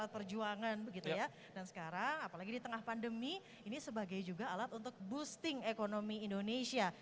pon ke sembilan diitulah pon ke sembilan